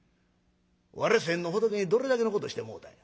われ先の仏にどれだけのことしてもろたんや？